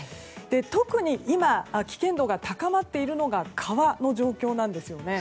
特に今、危険度が高まっているのが川の状況です。